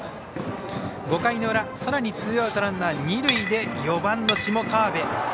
５回の裏、さらにツーアウト、ランナー、二塁で４番の下川邊。